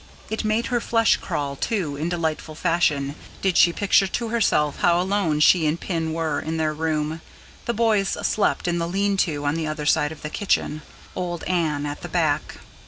It made her flesh crawl, too, in delightful fashion, did she picture to herself how alone she and Pin were, in their room: the boys slept in the lean to on the other side of the kitchen; old Anne at the back.